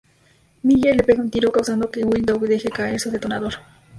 Miller le pega un tiro, causando que Will Dog deje caer su detonador.